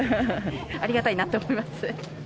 ありがたいなって思います。